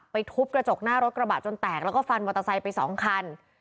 ทุบกระจกหน้ารถกระบะจนแตกแล้วก็ฟันมอเตอร์ไซค์ไปสองคัน